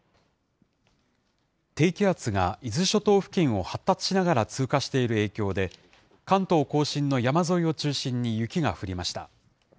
低気圧が伊豆諸島付近を発達しながら通過している影響で、関東甲信の山沿いを中心に雪が降りました。